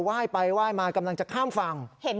ว่ายไปไหว้มากำลังจะข้ามฝั่ง